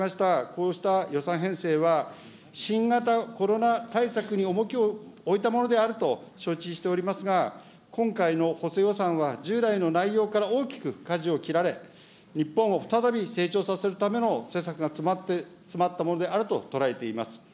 こうした予算編成は、新型コロナ対策に重きを置いたものであると承知しておりますが、今回の補正予算は、従来の内容から大きくかじを切られ、日本を再び成長させるための施策が詰まったものであると捉えています。